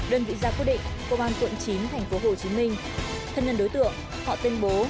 đơn vị ra quyết định công an quận chín tp hcm thân nhân đối tượng họ tên bố